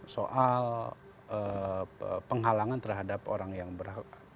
soal penghalangan terhadap orang yang berhak